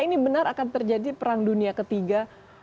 ini benar akan terjadi perang dunia ketiga